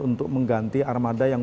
untuk mengganti armada yang